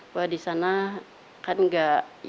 bahwa di sana kan gak